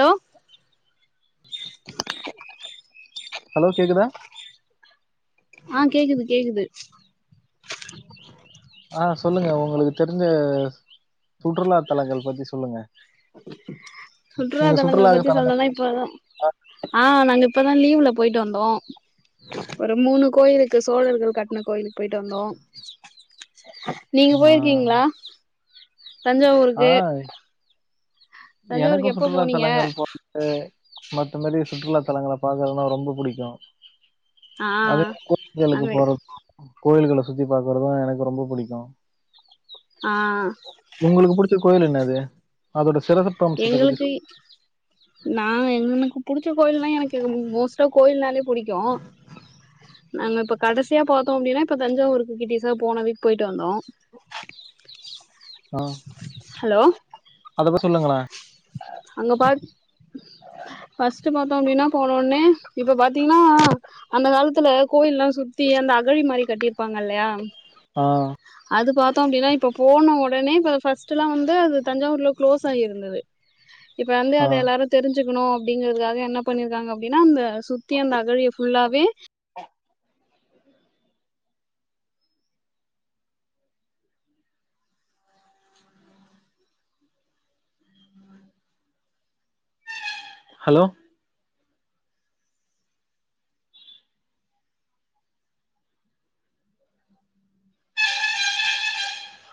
Hello hello கேக்குதா ஆ கேக்குது கேக்குது ஆ சொல்லுங்க உங்களுக்கு தெரிஞ்ச சுற்றுலா தலங்கள் பத்தி சொல்லுங்க சுற்றுலா தலங்கள் பத்தி சொல்லுனா இப்பதான் ஆ நாங்க இப்பதான் லீவ்ல போய்ட்டு வந்தோம் ஒரு மூணு கோயிலுக்கு சோழர்கள் கட்ன கோயிலுக்கு போய்ட்டு வந்தோம் நீங்க ஆ போய்ருக்கீங்களா ஆ தஞ்சாவூருக்கு தஞ்சாவூருக்கு எனக்கும் எப்ப சுற்றுலா போனீங்க தலங்கள் போ க மத்தமேரி சுற்றுலாத்தலங்களை பாக்கறனாம் ரொம்ப புடிக்கும் ஆ அது கோவில்களுக்கு நாங்க போறது கோயில்களை சுத்தி பார்க்குறதும் எனக்கு ரொம்ப புடிக்கும் ஆ உங்களுக்கு புடிச்ச கோவில் என்னது அதோட சிரப் எங்களுக்கு நா எனக்கு புடிச்ச கோயில்லாம் எனக்கு மோஸ்ட்டா கோயில்னாலே புடிக்கும் நாங்க இப்ப கடைசியா பாத்தோம் அப்டின்னா இப்ப தஞ்சாவூருக்கு கிட்டீசா போன வீக் போய்ட்டு வந்தோம் ஆ ஹலோ அத பத்தி சொல்லுங்களேன். அங்க பார் ஃபஸ்ட் பாத்தோம் அப்டின்னா போன உடனே இப்ப பாத் திங்கன்னா அந்த காலத்துல கோயில் எல்லாம் சுத்தி அந்த அகழி மாரி கட்டியிருப்பாங்க இல்லையா ஆ அது பார்த்தோம் அப்டின்னா இப்ப போன உடனே ஃபஸ்ட் எலாம் வந்து அது தஞ்சாவூர்ல குளோஸ் ஆகி இருந்தது இப்ப வந்து ஆ அது எல்லாரும் தெரிஞ்சுக்கணும் அப்டிங்கறதுக்காக என்ன பண்ணியிருக்காங்க அப்டின்னா அந்த சுத்தி அந்த அகழிய ஃபுல்லாவே hello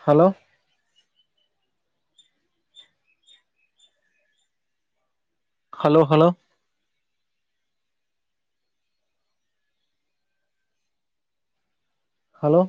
hello hello hello hello